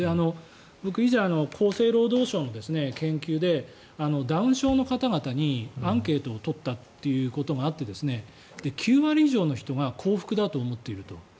僕、以前、厚生労働省の研究でダウン症の方々にアンケートを取ったということがあって９割以上の人が幸福だと思っていると。